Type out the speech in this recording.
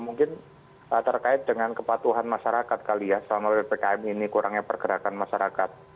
mungkin terkait dengan kepatuhan masyarakat kali ya selama ppkm ini kurangnya pergerakan masyarakat